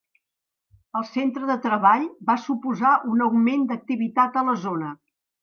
El centre de treball va suposar un augment d'activitat a la zona.